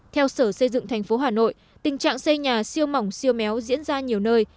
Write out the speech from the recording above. theo sở xây dựng thành phố hà nội tình trạng xây nhà siêu mỏng siêu méo diễn ra nhiều nơi